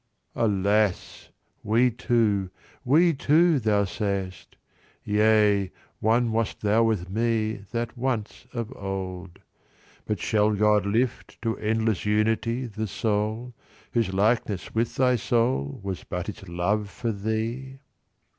(Alas! we two, we two, thou say'st! Yea, one wast thou with meThat once of old. But shall God liftTo endless unityThe soul whose likeness with thy soulWas but its love for thee?)